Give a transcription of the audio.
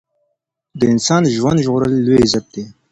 د انسان ژوند ژغورل لوی عزت دی.